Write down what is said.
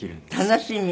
楽しみ？